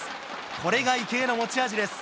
これが池江の持ち味です。